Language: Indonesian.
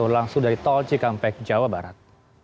langsung dari tol cikampek jawa barat